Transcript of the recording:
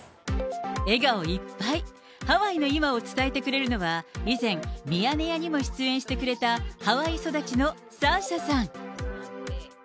笑顔いっぱい、ハワイの今を伝えてくれるのは、以前、ミヤネ屋にも出演してくれた、ハワイ育ちのサーシャさん。